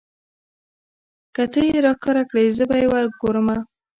که تۀ یې راښکاره کړې زه به یې وګورمه.